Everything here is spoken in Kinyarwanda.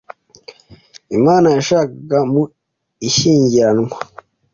Imana yashakaga mu ishyingiranwa